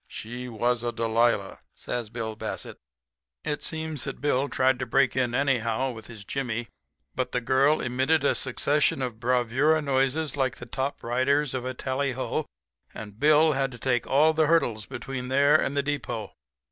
She was a Delilah,' says Bill Bassett. "It seems that Bill tried to break in anyhow with his jimmy, but the girl emitted a succession of bravura noises like the top riders of a tally ho, and Bill had to take all the hurdles between there and the depot.